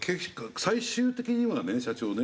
最終的にはね社長ね